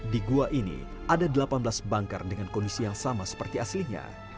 di gua ini ada delapan belas banker dengan kondisi yang sama seperti aslinya